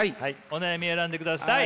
お悩み選んでください。